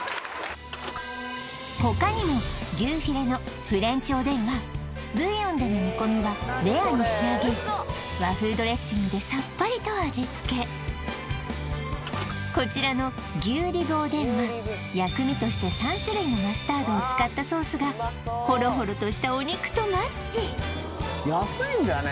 他にも牛フィレのフレンチおでんはブイヨンでの煮込みはレアに仕上げ和風ドレッシングでさっぱりと味付けこちらの牛リブおでんは薬味として３種類のマスタードを使ったソースがほろほろとしたお肉とマッチ安いんだよね